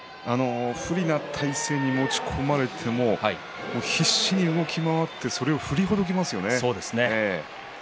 不利な体勢に持ち込まれても必死に動き回ってそれを振りほどきますよね。